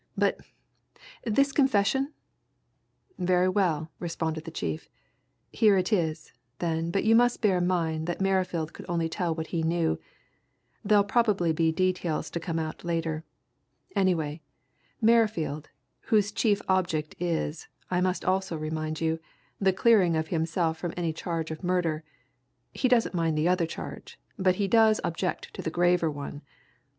"But this confession?" "Very well," responded the chief. "Here it is, then but you must bear in mind that Merrifield could only tell what he knew there'll probably be details to come out later. Anyway, Merrifield whose chief object is, I must also remind you, the clearing of himself from any charge of murder he doesn't mind the other charge, but he does object to the graver one!